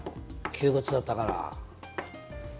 窮屈だったから。